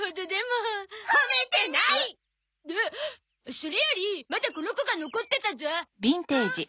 それよりまだこの子が残ってたゾ？